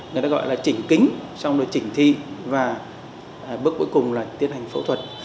người ta gọi là chỉnh kính xong rồi chỉnh thi và bước cuối cùng là tiến hành phẫu thuật